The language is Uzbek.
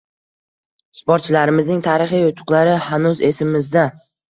Sportchilarimizning tarixiy yutuqlari hanuz esimizda.